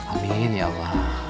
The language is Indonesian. amin ya allah